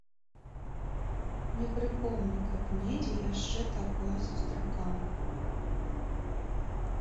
Не прыпомню, каб недзе яшчэ такое сустракаў.